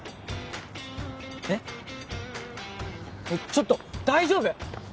あっちょっと大丈夫？